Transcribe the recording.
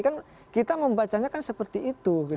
kan kita membacanya kan seperti itu